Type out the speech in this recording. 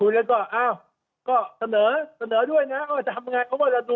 แล้วก็ถามแต่ละคนแล้วก็ฟังจากที่กระทรวงต่าง